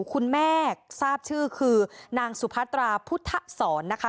คุณแม่ทราบชื่อคือนางสุพัตราพุทธศรนะคะ